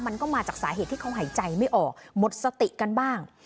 มันก็มาจากสาเหตุที่เขาหายใจไม่ออกหมดสติกันบ้าง